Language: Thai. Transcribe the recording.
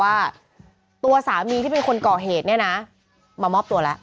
อ่าอืม